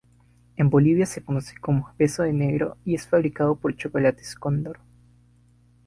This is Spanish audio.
En Bolivia se conoce como beso de negro y es fabricado por chocolates Cóndor.